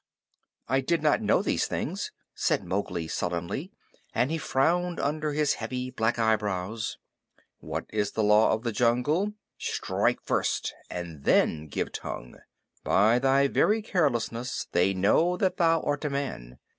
"I did not know these things," said Mowgli sullenly, and he frowned under his heavy black eyebrows. "What is the Law of the Jungle? Strike first and then give tongue. By thy very carelessness they know that thou art a man.